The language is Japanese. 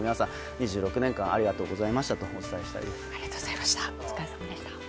２６年間ありがとうございましたとお伝えしたいです。